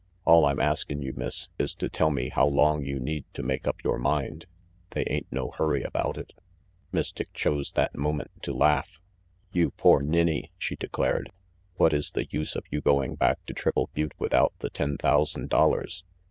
"All I'm askin' you, Miss, is to tell me how long you need to make up yore mind. They ain't no hurry about it Miss Dick chose that moment to laugh. "You poor ninny," she declared. "What is the use of you going back to Triple Butte without the ten thousand dollars?